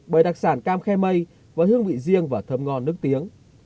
bởi đặc sản cam khe mây với hương vị riêng và thơm ngon nước tiếng